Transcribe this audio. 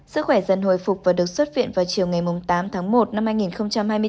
sức khỏe dần hồi phục và được xuất viện vào chiều ngày tám tháng một năm hai nghìn hai mươi bốn